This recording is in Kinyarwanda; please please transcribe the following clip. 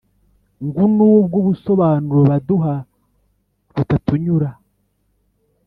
Ngunubwo ubusobanuro baduha butatunyura